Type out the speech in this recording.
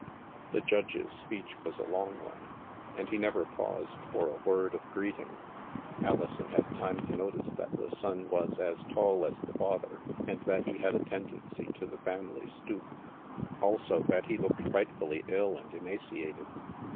The Judge's speech was a long one, and he never paused for a word of greeting. Alison had time to notice that the son was as tall as the father, and that he had a tendency to the family stoop ; also that he looked frightfully ill and emaciated.